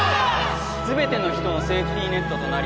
全ての人のセーフティーネットとなり